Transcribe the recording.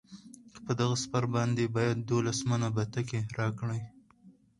په دغه سپر باندې باید دولس منه بتکۍ راکړي.